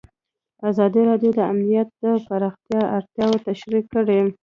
ازادي راډیو د امنیت د پراختیا اړتیاوې تشریح کړي.